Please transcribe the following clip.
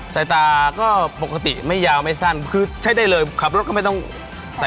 สายตาก็ปกติไม่ยาวไม่สั้นคือใช้ได้เลยขับรถก็ไม่ต้องใส่